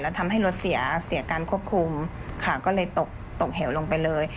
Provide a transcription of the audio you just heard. ทำให้รถเสียการควบคุมค่ะก็เลยตกตกเหวลงไปเลย